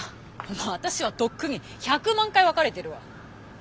もう私はとっくに１００万回別れてるわ。